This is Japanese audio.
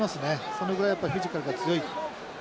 そのぐらいやっぱりフィジカルが強い。